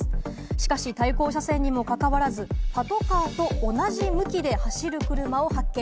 しかし対向車線にも関わらず、パトカーと同じ向きで走る車を発見。